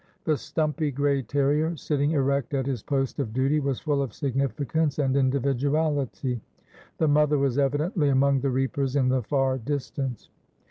The stumpy grey terrier sitting erect at his post of duty was full of significance and individuality. The mother was evidently among the reapers in the far distance.